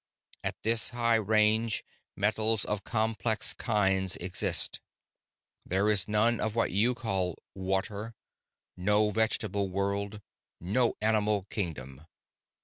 At this high range, metals of complex kinds exist. There is none of what you call water, no vegetable world, no animal kingdom.